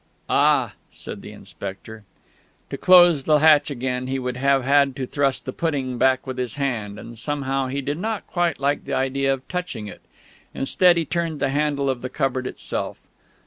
"Ah!" said the inspector. To close the hatch again he would have had to thrust that pudding back with his hand; and somehow he did not quite like the idea of touching it. Instead, he turned the handle of the cupboard itself.